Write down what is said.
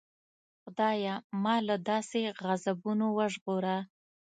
خدایه ما له داسې غضبونو وژغوره.